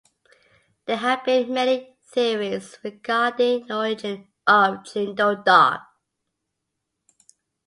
There have been many theories regarding the origin of Jindo Dog.